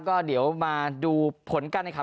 ก็เดี๋ยวมาดูผลกันครับ